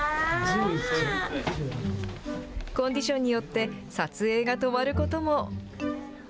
コンディションによって、撮影が止まることも。